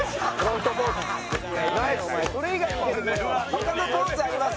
他のポーズあります？